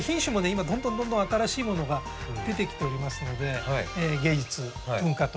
今どんどんどんどん新しいものが出てきておりますので芸術文化としてですね